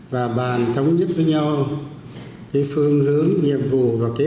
và bàn thống nhất với nhau